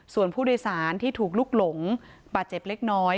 ส่วนผู้โดยสารที่ถูกลุกหลงบาดเจ็บเล็กน้อย